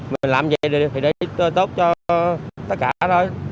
mình làm vậy thì tốt cho tất cả rồi